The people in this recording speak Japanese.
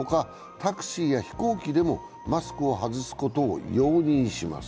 タクシーや飛行機でもマスクを外すことを容認します。